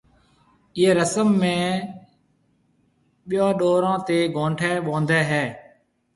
ايئيَ رسم ۾ ٻيون ڏورون تيَ گھونٺيَ ٻونڌي ھيَََ